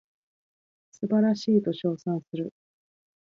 素晴らしいと称賛する